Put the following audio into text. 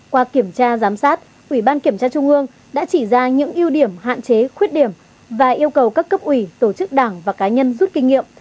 qua kiểm tra giám sát ủy ban kiểm tra trung ương đã chỉ ra những ưu điểm hạn chế khuyết điểm và yêu cầu các cấp ủy tổ chức đảng và cá nhân rút kinh nghiệm